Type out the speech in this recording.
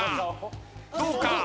どうか？